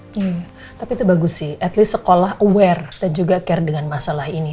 tapi itu bagus sih at least sekolah aware dan juga care dengan masalah ini